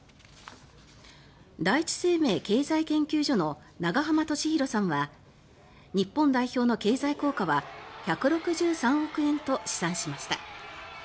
第一生命経済研究所の永濱利廣さんは日本代表の経済効果は１６３億円と試算しました。